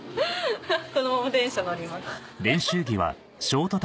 そのまま電車乗ります。